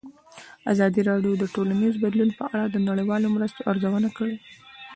ازادي راډیو د ټولنیز بدلون په اړه د نړیوالو مرستو ارزونه کړې.